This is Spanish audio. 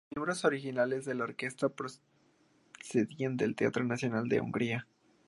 Los miembros originales de la orquesta procedían del Teatro Nacional de Hungría.